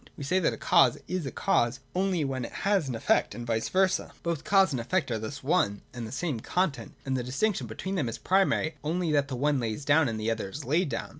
We say that a cause is a cause, only when it has an effect, and vice versa. Both cause and effect are thus one and the same content : and the distinc tion between them is primarily only that the one lays down, and the other is laid down.